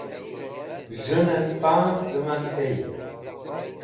Z̃hunan Panz̃ Zaman tey